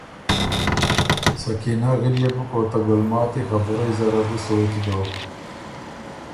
سکینه غليې بُک او ته ګلماتی خبُرئ زره بو سوچ دوک۔